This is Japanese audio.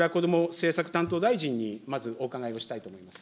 政策担当大臣にまずお伺いをしたいと思います。